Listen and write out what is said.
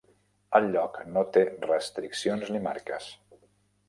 El lloc no té restriccions ni marques.